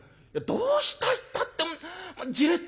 「どうしたいったってじれったい」。